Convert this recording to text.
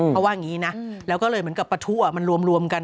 เขาว่าอย่างนี้นะแล้วก็เลยเหมือนกับปะทุมันรวมกัน